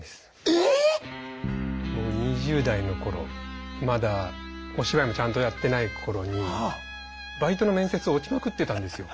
えっ⁉２０代の頃まだお芝居もちゃんとやってない頃にバイトの面接落ちまくってたんですよ。